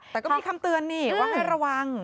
แต่ก็มีคำเตือนนี่ว่าให้ระวัง